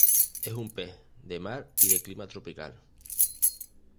Es un pez de mar y de clima tropical.